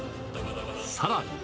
さらに。